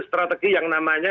strategi yang namanya